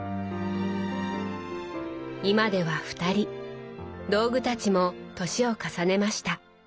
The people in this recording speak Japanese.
今では２人道具たちも年を重ねました。